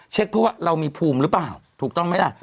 เพราะว่าเรามีภูมิหรือเปล่าถูกต้องไหมล่ะ